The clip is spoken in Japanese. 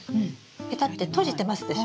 ペタッて閉じてますでしょ？